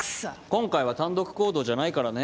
今回は単独行動じゃないからね。